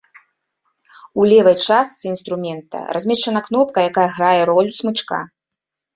У левай частцы інструмента размешчана кнопка, якая грае ролю смычка.